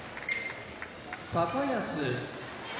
高安